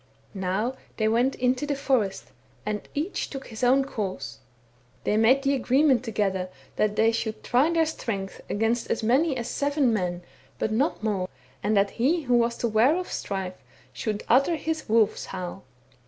Now they went into the forest, and each took his own THE WERE WOLF IN THE NORTH. 19 course; tliey made the agreement together that they should try their strength against as many as seven men, but not more, and that he who was ware of strife should utter his wolfs howl.